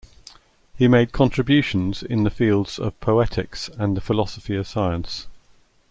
He made contributions in the fields of poetics and the philosophy of science.